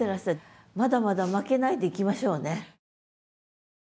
まだまだ負けないでいきましょうね。